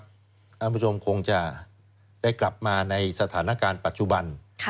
คุณผู้ชมคงจะได้กลับมาในสถานการณ์ปัจจุบัน